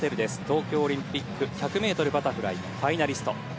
東京オリンピック１００ｍバタフライファイナリスト。